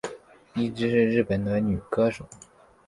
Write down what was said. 伊织是日本的女歌手。